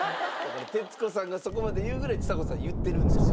徹子さんがそこまで言うぐらいちさ子さん言ってるんですよ。